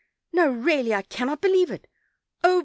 no, really I cannot believe it. Oh!